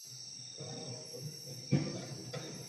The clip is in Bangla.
জগমোহন এক মুহূর্ত ননিকে ছাড়িয়া বাহিরে যান না।